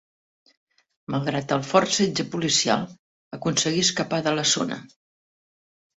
Malgrat el fort setge policial, aconseguí escapar de la zona.